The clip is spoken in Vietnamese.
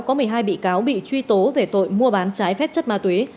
có một mươi hai bị cáo bị truy tố về tội mua bán trái phép chất ma túy